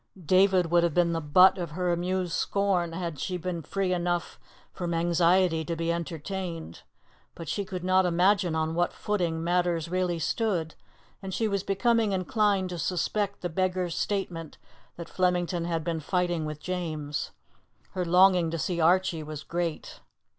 David would have been the butt of her amused scorn had she been free enough from anxiety to be entertained. But she could not imagine on what footing matters really stood, and she was becoming inclined to suspect the beggar's statement that Flemington had been fighting with James. Her longing to see Archie was great.